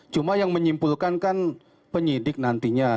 cuma yang menyimpulkan kan penyidik nantinya